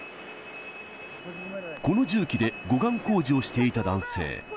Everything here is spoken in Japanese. この重機で護岸工事をしていた男性。